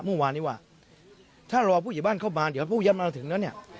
เมื่อวานนี้ว่าถ้ารอผู้ใหญ่บ้านเข้ามาเดี๋ยวผู้เยี่ยมมาถึงแล้วเนี่ย